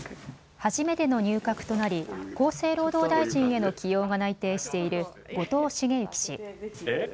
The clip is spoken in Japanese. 初めての入閣となり厚生労働大臣への起用が内定している後藤茂之氏。